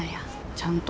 ちゃんと。